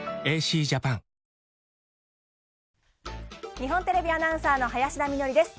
日本テレビアナウンサーの林田美学です。